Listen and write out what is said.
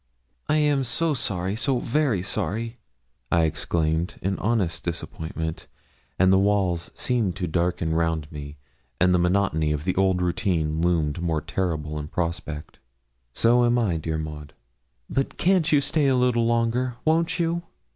'I am so sorry so very sorry,' I exclaimed, in honest disappointment, and the walls seemed to darken round me, and the monotony of the old routine loomed more terrible in prospect. 'So am I, dear Maud.' 'But can't you stay a little longer; won't you?'